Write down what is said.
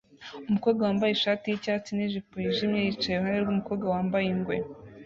umukobwa wambaye ishati yicyatsi nijipo yijimye yicaye iruhande rwumukobwa wambaye ingwe